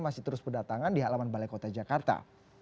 masih terus berdatangan di halaman balai kota jakarta